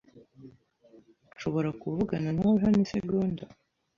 Nshobora kuvugana nawe hano isegonda?